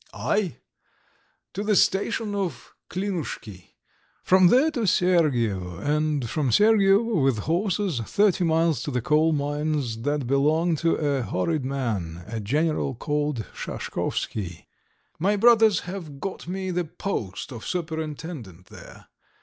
"I? To the station of Klinushki, from there to Sergievo, and from Sergievo, with horses, thirty miles to the coal mines that belong to a horrid man, a general called Shashkovsky. My brothers have got me the post of superintendent there.